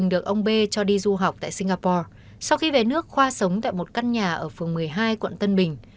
được ông b cho đi du học tại singapore sau khi về nước khoa sống tại một căn nhà ở phường một mươi hai quận tân bình